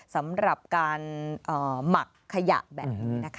สำหรับการหมักขยะแบบนี้นะคะ